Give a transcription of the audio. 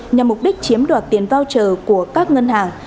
nhằm mục đích chiếm đoạt tiền voucher của các ngân hàng